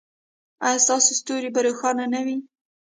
ایا ستاسو ستوری به روښانه نه وي؟